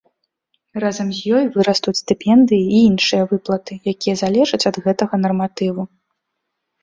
Разам з ёй вырастуць стыпендыі і іншыя выплаты, якія залежаць ад гэтага нарматыву.